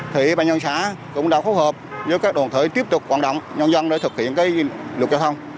thì bà nhân xã cũng đã phù hợp với các đoàn thể tiếp tục hoạt động nhân dân để thực hiện luật giao thông